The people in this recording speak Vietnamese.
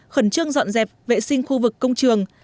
khẩn trương dọn dẹp vệ sinh khu vực công trường